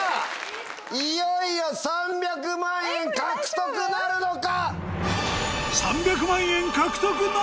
いよいよ３００万円獲得なるのか？